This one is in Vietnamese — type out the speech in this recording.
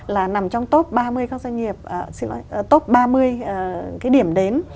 là nằm trong top ba mươi các doanh nghiệp top ba mươi cái điểm đến